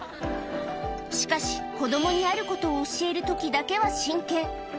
しかし、子どもにあることを教えるときだけは真剣。